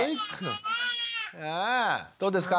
どうですか？